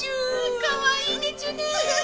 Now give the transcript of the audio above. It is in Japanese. かわいいでちゅね。